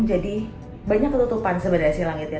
jadi banyak ketutupan sebenarnya si langit ya